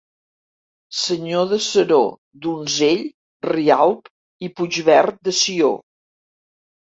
Senyor de Seró, Donzell, Rialb i Puigverd de Sió.